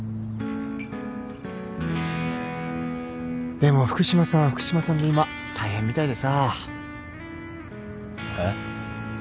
でも福島さんは福島さんで今大変みたいでさ。